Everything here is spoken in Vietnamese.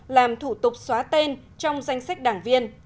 làm thủ tục xóa tên trong danh sách đảng viên